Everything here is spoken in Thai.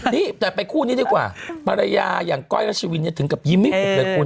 นี่แต่ไปคู่นี้ดีกว่าภรรยาอย่างก้อยแล้วชีวิตเนี่ยถึงกับยิ้มให้หกเดือนคุณ